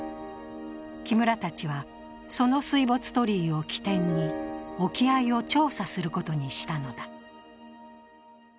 木村たちは、その水没鳥居を起点に沖合を調査することにしたのだ。